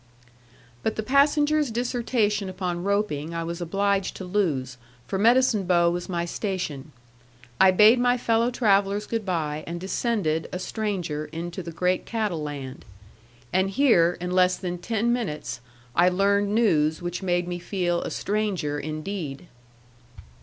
But the passenger's dissertation upon roping I was obliged to lose, for Medicine Bow was my station. I bade my fellow travellers good by, and descended, a stranger, into the great cattle land. And here in less than ten minutes I learned news which made me feel a stranger indeed.